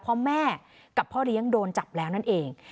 เพราะแม่กับพ่อเลี้ยงโดนจับแล้วนั่นเอง